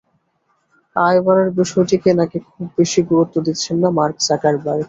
আয় বাড়ার বিষয়টিকে নাকি খুব বেশি গুরুত্ব দিচ্ছেন না মার্ক জাকারবার্গ।